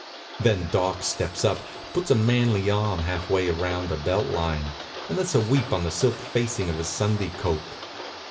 Then Doc steps up, puts a manly arm half way round her belt line, and lets her weep on the silk facing of his Sunday coat.